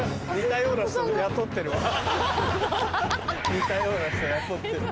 似たような人雇ってる。